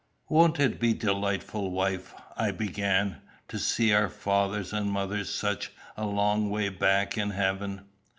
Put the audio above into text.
"Won't it be delightful, wife," I began, "to see our fathers and mothers such a long way back in heaven?"